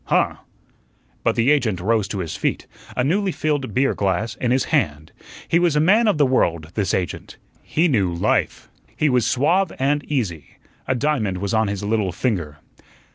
Huh!" But the agent rose to his feet, a newly filled beer glass in his hand. He was a man of the world, this agent. He knew life. He was suave and easy. A diamond was on his little finger.